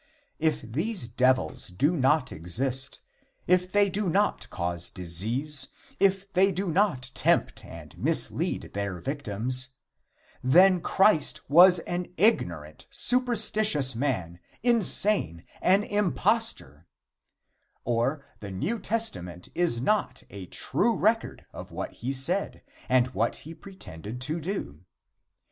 If these devils do not exist, if they do not cause disease, if they do not tempt and mislead their victims, then Christ was an ignorant, superstitious man, insane, an impostor, or the New Testament is not a true record of what he said and what he pretended to do.